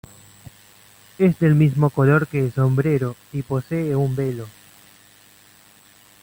Es del mismo color que el sombrero, y posee un velo.